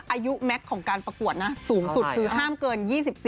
อายุแม็กซ์ของการประกวดนะสูงสุดคือห้ามเกิน๒๓